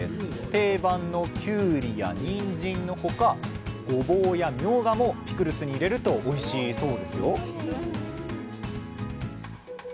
定番のきゅうりやにんじんの他ごぼうやみょうがもピクルスに入れるとおいしいそうですよ